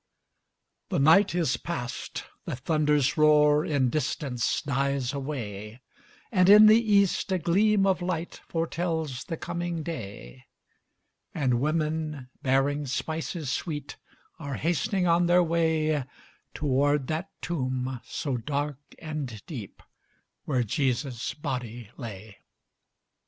The night is past, the thunder's roar In distance dies away; And in the east, a gleam of light Foretells the coming day; And women, bearing spices sweet, Are hast'ning on their way Toward that tomb, so dark and deep, Where Jesus' body lay.